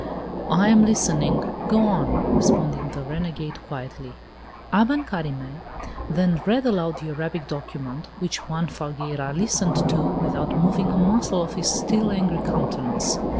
"I am listening; go on," responded the renegade quietly. Aben Carime then read aloud the Arabic document, which Juan Falgueira listened to without moving a muscle of his still angry countenance.